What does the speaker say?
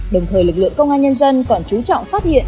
đồng thời lực lượng công an nhân dân còn chú trọng phát hiện